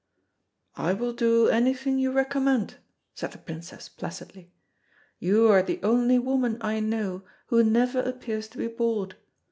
"I will do anything you recommend," said the Princess placidly. "You are the only woman I know who never appears to be bored.